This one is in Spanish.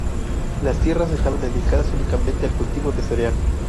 Las tierras estaban dedicadas únicamente al cultivo de cereal.